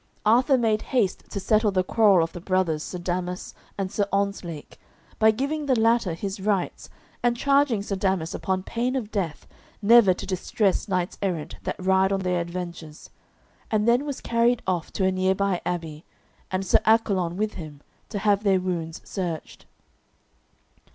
Arthur made haste to settle the quarrel of the brothers Sir Damas and Sir Ontzlake by giving the latter his rights and charging Sir Damas upon pain of death never to distress knights errant that ride on their adventures, and then was carried off to a near by abbey, and Sir Accolon with him, to have their wounds searched.